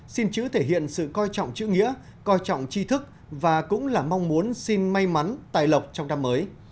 xin chữ thể hiện sự coi trọng chữ nghĩa coi trọng chi thức và cũng là mong muốn xin may mắn tài lộc trong năm mới